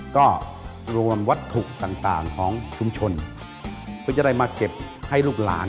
ก็รวมวัตถุต่างของชุมชนเพื่อจะได้มาเก็บให้ลูกหลาน